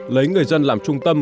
lấy người dân làm trung tâm